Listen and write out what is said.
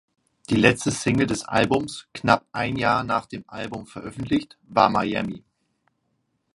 Die letzte Single des Albums, knapp ein Jahr nach dem Album veröffentlicht, war „Miami“.